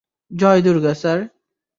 Joy Durga, sir.